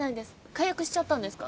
解約しちゃったんですか？